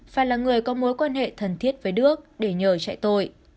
phải là người có mối quan hệ thân thiết với đức để nhờ chạy tội